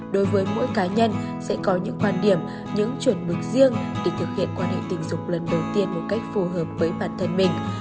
đối với mỗi cá nhân sẽ có những quan điểm những chuẩn mực riêng để thực hiện quan hệ tình dục lần đầu tiên một cách phù hợp với bản thân mình